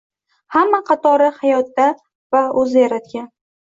Hamma qatori hayotda va o’zi yaratgan.